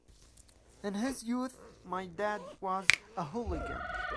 In his youth my dad was a hooligan.